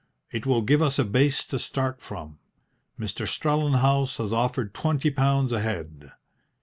It will give us a base to start from. Mr. Strellenhaus has offered twenty pounds a head."